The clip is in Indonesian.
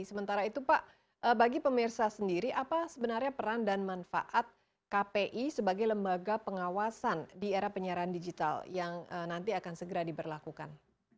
sementara itu pak bagi pemirsa sendiri apa sebenarnya peran dan manfaat kpi sebagai lembaga pengawasan di era penyiaran digital yang nanti akan segera diberlakukan